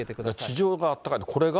地上があったかいの。